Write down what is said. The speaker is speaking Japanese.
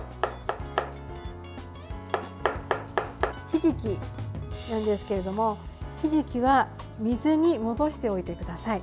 ひじきなんですけれどもひじきは水に戻しておいてください。